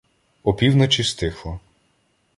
Опівночі стихло.